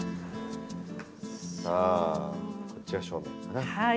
さあこっちが正面かな。